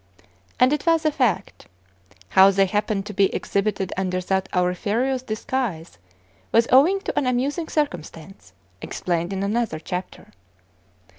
And it was a fact. How they happened to be exhibited under that auriferous disguise was owing to an amusing circumstance, explained in another chapter.